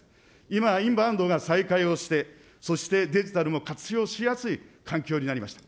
今、インバウンドが再開をして、そして、デジタルも活用しやすい環境になりました。